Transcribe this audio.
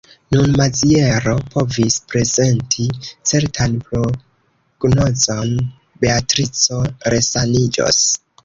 Nun Maziero povis prezenti certan prognozon: Beatrico resaniĝos.